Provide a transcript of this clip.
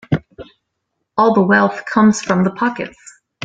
All the wealth comes from the pockets.